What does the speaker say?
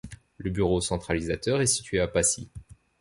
Le bureau centralisateur est situé à Passy.